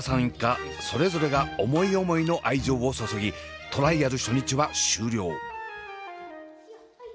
一家それぞれが思い思いの愛情を注ぎトライアル初日は終了。